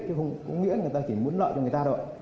chứ không nghĩa là người ta chỉ muốn lợi cho người ta đâu